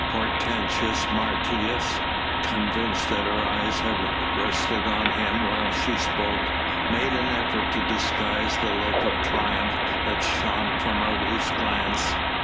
Hortensius Martius, convinced that her eyes had rested on him while she spoke, made an effort to disguise the look of triumph that shone from out his glance.